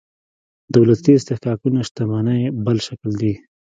دولتي استحقاقونه شتمنۍ بل شکل دي.